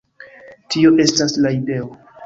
Tio estas la ideo.